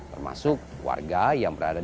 termasuk warga yang berada